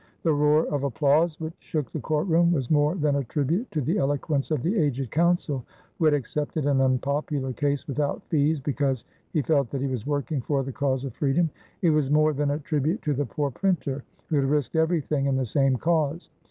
The roar of applause which shook the court room was more than a tribute to the eloquence of the aged counsel who had accepted an unpopular case without fees because he felt that he was working for the cause of freedom. It was more than a tribute to the poor printer who had risked everything in the same cause.